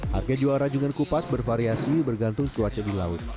harga jual rajungan kupas bervariasi bergantung cuaca di laut